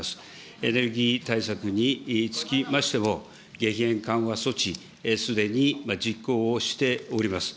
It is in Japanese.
エネルギー対策につきまして激変緩和措置、すでに実行をしております。